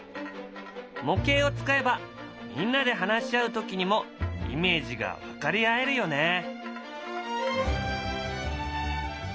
模型を使えばみんなで話し合う時にもイメージが分かり合えるよね。